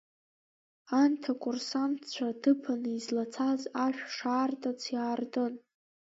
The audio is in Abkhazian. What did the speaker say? Анҭ акурсантцәа ҭыԥаны излацаз ашә шаартыц иаартын.